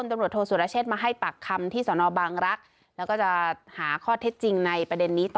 ไม่มีครับ